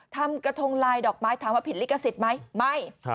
ทำกระทงลายดอกไม้ถามว่าผิดลิขสิทธิ์ไหมไม่